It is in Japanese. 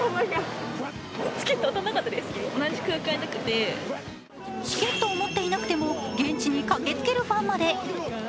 チケットを持っていなくても現地に駆けつけるファンまで。